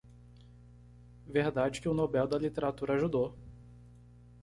Verdade que o Nobel da Literatura ajudou